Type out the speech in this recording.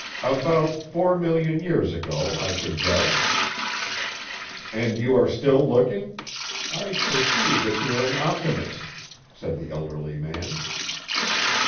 "About four million years ago, I should judge." "And you are still looking? I perceive that you are an optimist," said the elderly man.